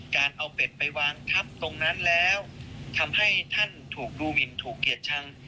การเอาเป็ดไปวางทับตรงนั้นแล้วทำให้ท่านถูกดูวินถูกเกลียดชัง